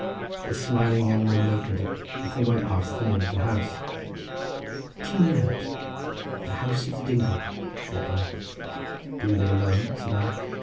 A smiling young woman opened it, of whom I asked the name of the house. "Tŷ Nant—the House of the Dingle," she replied. "Do you live alone?" said I.